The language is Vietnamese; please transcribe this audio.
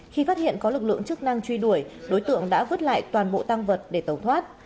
khi phát hiện có lực lượng chức năng truy đuổi đối tượng đã vứt lại toàn bộ tăng vật để tẩu thoát